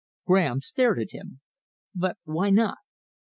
Graham stared at him. "But why not?"